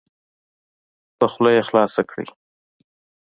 په خوله یې خلاصه کړئ.